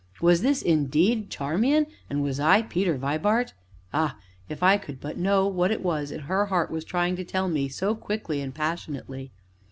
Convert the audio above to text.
Was this indeed Charmian, and was I Peter Vibart? Ah, if I could but know what it was her heart was trying to tell me, so quickly and passionately!